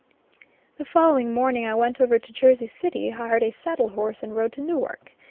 The following morning I went over to Jersey City, hired a saddle horse, and rode to Newark.